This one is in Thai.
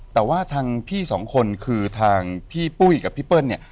แต่ว่าทางพี่สองคนคือทางพี่ปุ้ยกับพี่เปิ้ลเนี่ย